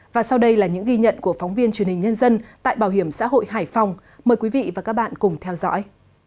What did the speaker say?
và sau đây là những ghi nhận của phóng viên truyền hình nhân dân tại bảo hiểm xã hội hải phòng mời quý vị và các bạn cùng theo dõi